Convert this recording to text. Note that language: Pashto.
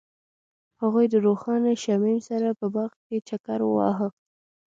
هغوی د روښانه شمیم سره په باغ کې چکر وواهه.